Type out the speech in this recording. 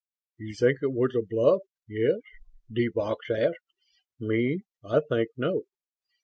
"You think it was the bluff, yes?" de Vaux asked. "Me, I think no.